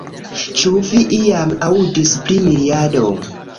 Ĉu vi iam aŭdis pri miriado?